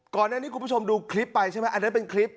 ก่อนหน้านี้คุณผู้ชมดูคลิปไปใช่ไหมอันนั้นเป็นคลิป